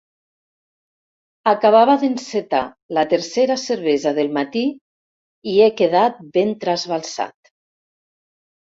Acabava d'encetar la tercera cervesa del matí i he quedat ben trasbalsat.